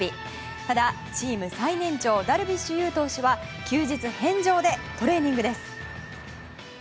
ただ、チーム最年長ダルビッシュ有投手は休日返上でトレーニングです。